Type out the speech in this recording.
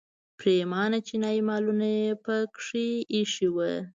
پریمانه چینایي مالونه یې په کې ایښي وو.